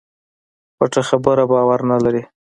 پټه خبره باور نه لري.